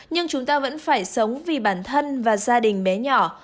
nhưng chúng ta vẫn phải sống vì bản thân và gia đình bé nhỏ